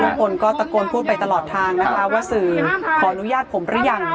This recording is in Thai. ทุกคนก็ตะโกนพูดไปตลอดทางนะคะว่าสื่อขออนุญาตผมหรือยัง